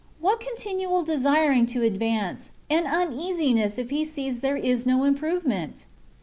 What continual desiring to advance, and uneasiness if he sees there is no improvement